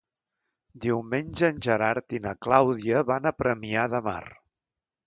Diumenge en Gerard i na Clàudia van a Premià de Mar.